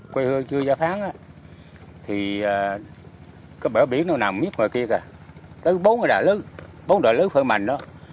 bốn đoạn nước phải mạnh đó